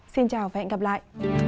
xin chào và hẹn gặp lại